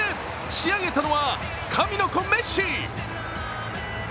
仕上げたのは神の子・メッシ。